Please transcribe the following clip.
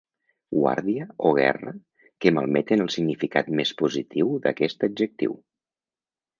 Guàrdia o guerra que malmeten el significat més positiu d'aquest adjectiu.